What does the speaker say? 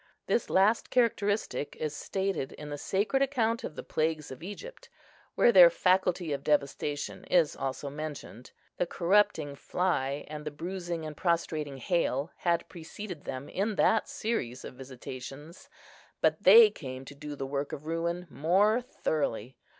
This last characteristic is stated in the sacred account of the plagues of Egypt, where their faculty of devastation is also mentioned. The corrupting fly and the bruising and prostrating hail had preceded them in that series of visitations, but they came to do the work of ruin more thoroughly.